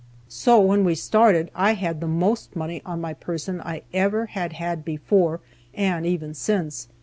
So, when we started, I had the most money on my person I ever had had before, and even since.